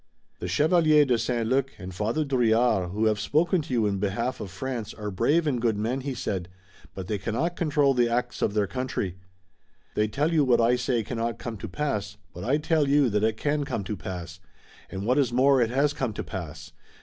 "The Chevalier de St. Luc and Father Drouillard, who have spoken to you in behalf of France, are brave and good men," he said, "but they cannot control the acts of their country. They tell you what I say cannot come to pass, but I tell you that it can come to pass, and what is more it has come to pass.